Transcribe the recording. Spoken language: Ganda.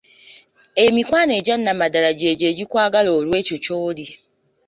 Emikwano egyannamaddala gy'egyo egikwagala olw'ekyo ky'oli.